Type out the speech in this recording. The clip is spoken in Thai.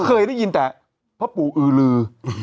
เคยได้ยินแต่พ่อปู่อือลือ